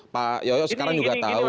pak yoyo sekarang juga tahu